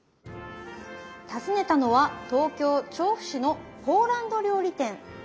訪ねたのは東京・調布市のポーランド料理店。